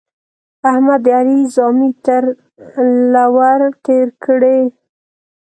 احمد د علي زامې تر له ور تېرې کړې.